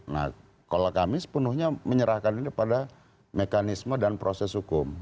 nah kalau kami sepenuhnya menyerahkan ini pada mekanisme dan proses hukum